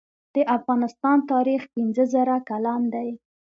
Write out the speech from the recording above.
د افغانستان تاریخ پنځه زره کلن دی